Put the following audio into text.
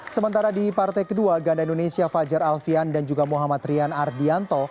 sementara di partai kedua ganda indonesia fajar alfian dan juga muhammad rian ardianto